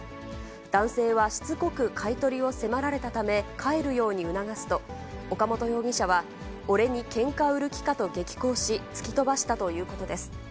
男性はしつこく買い取りを迫られたため、帰るように促すと、岡本容疑者は、俺にけんか売る気かと激高し、突き飛ばしたということです。